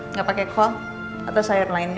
nggak pakai kol atau sayur lain